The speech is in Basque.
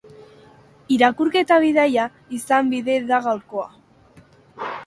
Irakurketa bidaia izan bide da gaurkoa.